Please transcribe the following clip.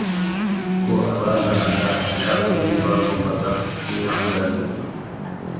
Ko abazanaga amacakubiri bagombaga kwihanganirwa